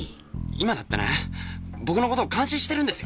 今だって僕のこと監視してるんですよ！